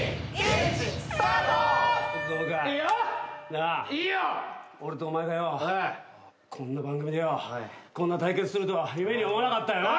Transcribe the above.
なあ俺とお前がよこんな番組でよこんな対決するとは夢にも思わなかったよな。